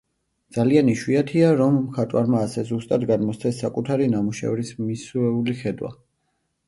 ძალიან იშვიათია, რომ მხატვარმა ასე ზუსტად გადმოსცეს საკუთარი ნამუშევრის მისეული ხედვა.